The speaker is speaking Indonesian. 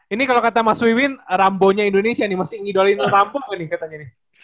ini kalau kata mas wiwin rambonya indonesia nih masih ngidol in rambu nih katanya